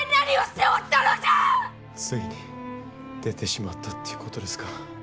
ついに出てしまったということですか。